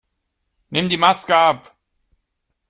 Nimm die Maske ab!